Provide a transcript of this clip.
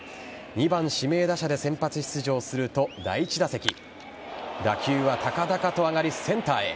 ２番・指名打者で先発出場すると第１打席打球は高々と上がりセンターへ。